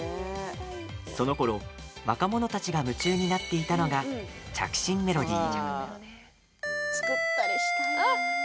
そのころ若者たちが夢中になっていたのが着信メロディー。